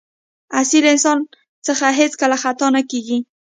اصیل انسان څخه هېڅکله خطا نه کېږي.